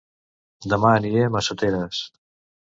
Dema aniré a Massoteres